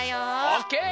オッケー！